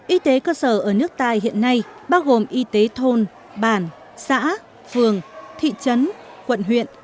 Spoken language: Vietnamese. y tế cơ sở ở nước ta hiện nay bao gồm y tế thôn bản xã phường thị trấn quận huyện